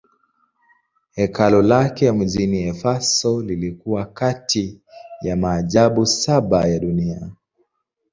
Hekalu lake mjini Efeso lilikuwa kati ya maajabu saba ya dunia.